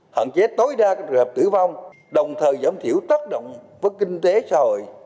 hạn chế tối đa các trường hợp tử vong đồng thời giảm thiểu tác động với kinh tế xã hội